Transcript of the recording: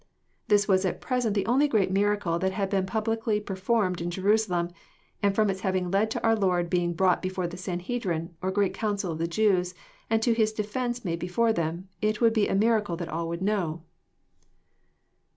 This was at present the only great miracle t^at had been publicly performed in Jerusalem : and from its hSfvTng led to our Lord being brought before the Sanhedrim, or great council of the Jews, and to His defence made before them, it would be a miracle that all would know.